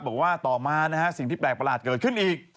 บอกว่าต่อมานะฮะสิ่งที่แปลกประหลาดเกิดขึ้นอีก